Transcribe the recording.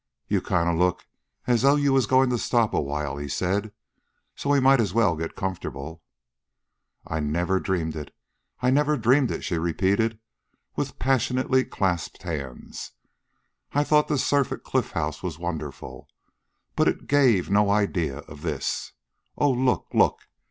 "You kind of look as though you was goin' to stop a while," he said. "So we might as well get comfortable." "I never dreamed it, I never dreamed it," she repeated, with passionately clasped hands. "I... I thought the surf at the Cliff House was wonderful, but it gave no idea of this. Oh! Look! LOOK!